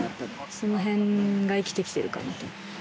その辺が生きてきているかもと。